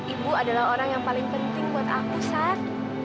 ibu adalah orang yang paling penting buat aku saat